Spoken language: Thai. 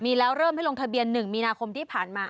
มีแล้วเริ่มให้ลงทะเบียน๑มีนาคมที่ผ่านมา